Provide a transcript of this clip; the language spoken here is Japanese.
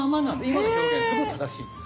今の表現すごい正しいです。